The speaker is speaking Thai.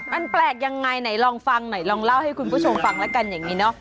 มันแปลกยังไงไหนลองฟังหน่อยลองเล่าให้คุณผู้ชมฟังแล้วกันอย่างนี้เนอะ